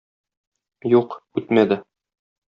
Юк, үтмәде.